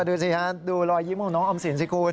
ดูสิฮะดูรอยยิ้มของน้องออมสินสิคุณ